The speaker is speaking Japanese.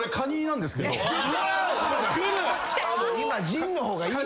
今陣の方がいい。